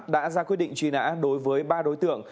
đã ra quyết định truy nã đối với ba đối tượng